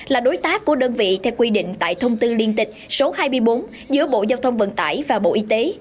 là đối tác của đơn vị theo quy định tại thông tư liên tịch số hai mươi bốn giữa bộ giao thông vận tải và bộ y tế